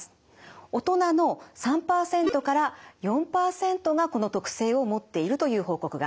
大人の３％から４％がこの特性を持っているという報告があります。